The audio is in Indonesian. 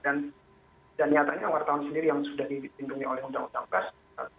dan nyatanya wartawan sendiri yang sudah dihitungi oleh undang undang pes